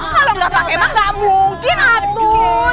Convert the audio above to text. kalau gak pakai mah gak mungkin atuh